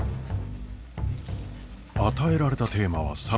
与えられたテーマはサラダ。